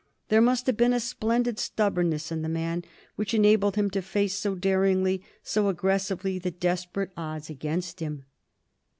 There must have been a splendid stubbornness in the man which enabled him to face so daringly, so aggressively, the desperate odds against him.